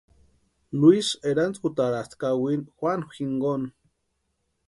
Luisï erantskutarasti kawini Juanu jinkoni.